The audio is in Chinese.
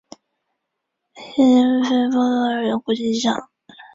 栗齿鼩鼱为鼩鼱科鼩鼱属的动物。